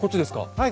はい。